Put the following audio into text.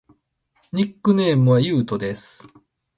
ニックネームはゆうとです。